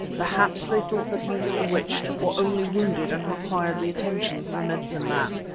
Perhaps they thought that he was bewitched, or only wounded and required the attentions of a medicine man.